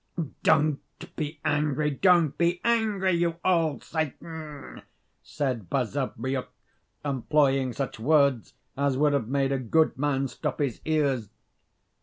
"Don't be angry, don't be angry, you old Satan!" said Basavriuk, employing such words as would have made a good man stop his ears.